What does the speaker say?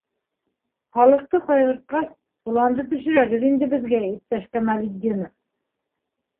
Халыҡты ҡайғыртҡас, планды төшөрәгеҙ инде беҙгә, иптәш Камалетдинов.